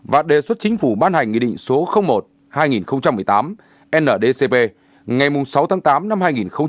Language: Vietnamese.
và đề xuất chính phủ ban hành nghị định số một hai nghìn một mươi tám ndcp ngày sáu tháng tám năm hai nghìn một mươi chín